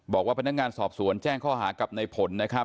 บอกผลิตรีผู้สอบส่วนแจ้งข้อหากลับในผล